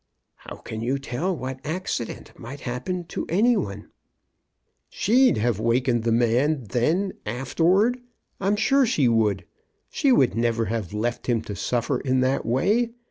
How can you tell what accident might hap pen to any one? "" She'd have wakened the man, then, after ward. I'm sure she would. She would never have left him to suffer in that way.